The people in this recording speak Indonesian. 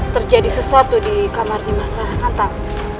terjadi sesuatu di kamar nih mas rara santang